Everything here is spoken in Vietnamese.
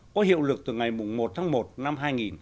có hiệu lực từ ngày một tháng một năm hai nghìn một mươi tám